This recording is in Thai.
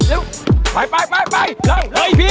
เซยเบลเซยเบลขันนี้พี่